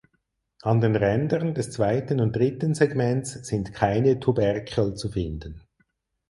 An den Rändern des zweiten und dritten Segments sind keine Tuberkel zu finden.